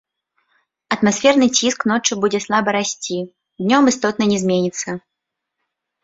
Атмасферны ціск ноччу будзе слаба расці, днём істотна не зменіцца.